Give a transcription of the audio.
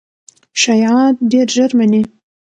شایعات ډېر ژر مني.